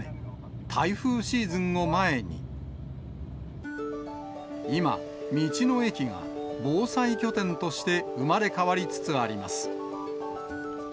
台風シーズンを前に、今、道の駅が防災拠点として生まれ変わりつつあります。